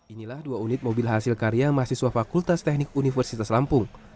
inilah dua unit mobil hasil karya mahasiswa fakultas teknik universitas lampung